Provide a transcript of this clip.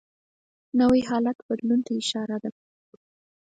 نوی حالت بدلون ته اشاره ده